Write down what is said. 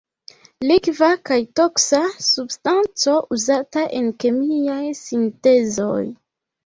Likva kaj toksa substanco uzata en kemiaj sintezoj.